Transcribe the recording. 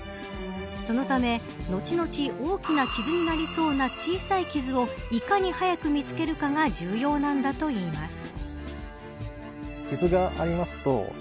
そのため、のちのち大きな傷になりそうな小さい傷をいかに早く見つけるかが重要なんだといいます。